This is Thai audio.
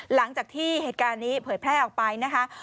หลังจากที่เหตุการณ์นี้เผยแพร่ออกไปนะคะ